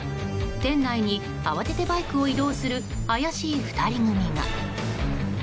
店内に慌ててバイクを移動する怪しい２人組が。